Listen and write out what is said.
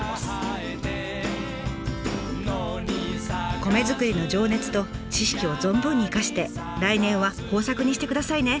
米作りの情熱と知識を存分に生かして来年は豊作にしてくださいね。